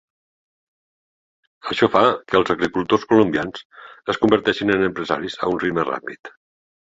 Això fa que els agricultors colombians es converteixin en empresaris a un ritme ràpid.